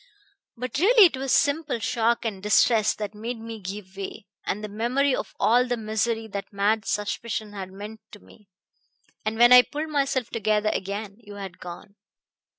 "But really it was simple shock and distress that made me give way, and the memory of all the misery that mad suspicion had meant to me. And when I pulled myself together again you had gone."